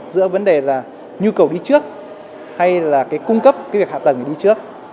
giữa vấn đề là nhu cầu đi trước hay là cung cấp việc hạ tầng đi trước